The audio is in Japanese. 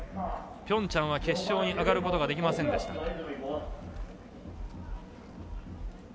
ピョンチャンは決勝に上がることができませんでした。